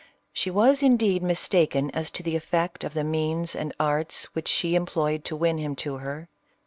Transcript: She was, indeed, mis taken as to the effect of the means and arts which she employed to win him to her.